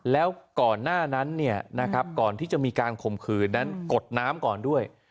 แล้วก่อนหน้านั้นก่อนที่จะมีการข่มขืนนั้นกดน้ำก่อนด้วย